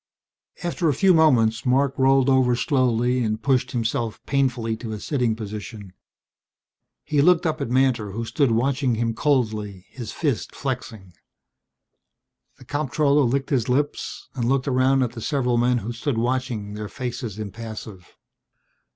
After a few moments Marc rolled over slowly and pushed himself painfully to a sitting position. He looked up at Mantor who stood watching him coldly, his fist flexing. The comptroller licked his lips and looked around at the several men who stood watching, their faces impassive.